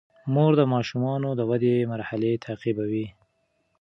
مور د ماشومانو د ودې مرحلې تعقیبوي.